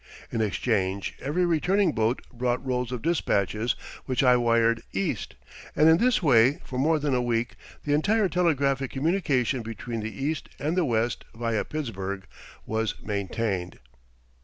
In exchange every returning boat brought rolls of dispatches which I wired East, and in this way for more than a week the entire telegraphic communication between the East and the West via Pittsburgh was maintained.